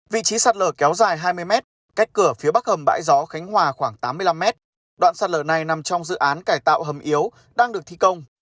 vị trí sạt lở kéo dài hai mươi mét cách cửa phía bắc hầm bãi gió khánh hòa khoảng tám mươi năm m đoạn sạt lở này nằm trong dự án cải tạo hầm yếu đang được thi công